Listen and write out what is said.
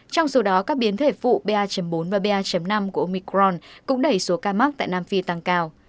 trong số đó các biến thể phụ ba bốn và ba năm của omicron cũng đẩy số ca mắc tại nam phi tăng cao